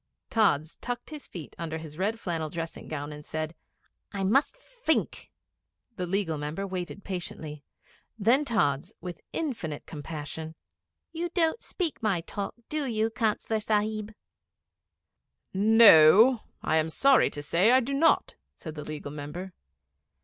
Tods tucked his feet under his red flannel dressing gown and said 'I must fink.' The Legal Member waited patiently. Then Tods, with infinite compassion 'You don't speak my talk, do you, Councillor Sahib?' 'No; I am sorry to say I do not,' said the Legal Member.